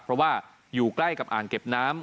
เพราะว่าอยู่ใกล้กับอ่างเก็บน้ำ